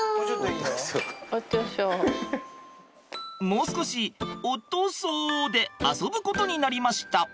もう少し「おとそ」で遊ぶことになりました。